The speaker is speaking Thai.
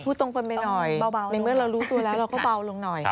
ตรงกันไปหน่อยเบาในเมื่อเรารู้ตัวแล้วเราก็เบาลงหน่อย